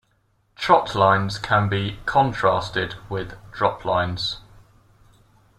Trotlines can be contrasted with droplines.